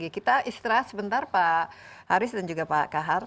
kita istirahat sebentar pak haris dan juga pak kahar